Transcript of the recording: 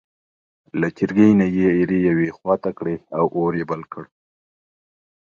له چرګۍ نه یې ایرې یوې خوا ته کړې او اور یې بل کړ.